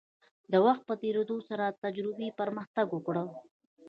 د وخت په تیریدو سره تجربې پرمختګ وکړ.